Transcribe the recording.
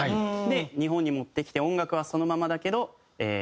で日本に持ってきて音楽はそのままだけどええー